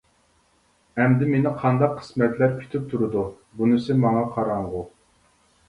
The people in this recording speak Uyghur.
ئەمدى مېنى قانداق قىسمەتلەر كۈتۈپ تۇرىدۇ، بۇنىسى ماڭا قاراڭغۇ.